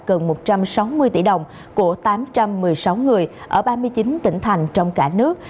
cần một trăm sáu mươi tỷ đồng của tám trăm một mươi sáu người ở ba mươi chín tỉnh thành trong cả nước